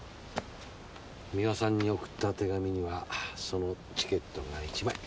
三輪さんに送った手紙にはそのチケットが１枚。